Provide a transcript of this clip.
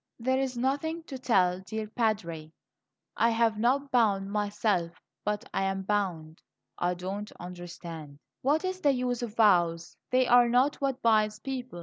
"There is nothing to tell, dear Padre; I have not bound myself, but I am bound." "I don't understand " "What is the use of vows? They are not what binds people.